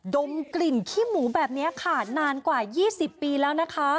ดมกลิ่นขี้หมูแบบนี้ค่ะนานกว่า๒๐ปีแล้วนะคะ